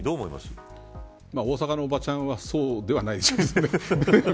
大阪のおばちゃんはそうではないですけど。